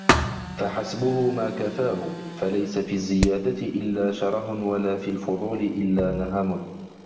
فَحَسْبُهُ مَا كَفَاهُ فَلَيْسَ فِي الزِّيَادَةِ إلَّا شَرَهٌ وَلَا فِي الْفُضُولِ إلَّا نَهَمٌ